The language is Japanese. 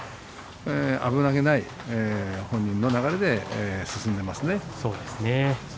危なげない本人の流れで進んでいますね。